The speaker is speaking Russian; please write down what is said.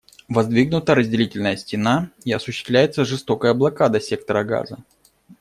Воздвигнута разделительная стена, и осуществляется жестокая блокада сектора Газа.